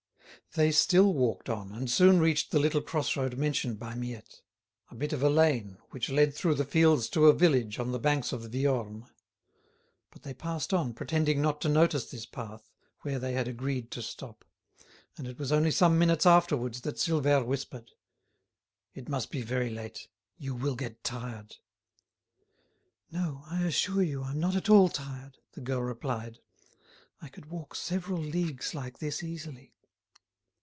They still walked on, and soon reached the little crossroad mentioned by Miette—a bit of a lane which led through the fields to a village on the banks of the Viorne. But they passed on, pretending not to notice this path, where they had agreed to stop. And it was only some minutes afterwards that Silvère whispered, "It must be very late; you will get tired." "No; I assure you I'm not at all tired," the girl replied. "I could walk several leagues like this easily."